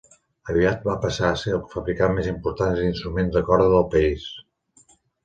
Aviat va passar a ser el fabricant més important d"instruments de corda al país.